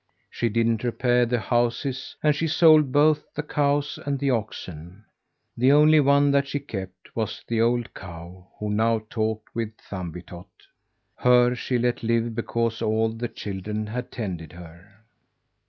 She didn't repair the houses; and she sold both the cows and the oxen. The only one that she kept was the old cow who now talked with Thumbietot. Her she let live because all the children had tended her.